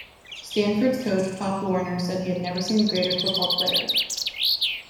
Stanford's coach, Pop Warner, said he had never seen a greater football player.